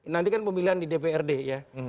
nanti kan pemilihan di dprd ya